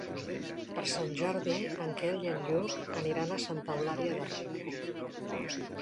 Per Sant Jordi en Quel i en Lluc aniran a Santa Eulària des Riu.